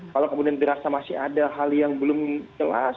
kalau kemudian dirasa masih ada hal yang belum jelas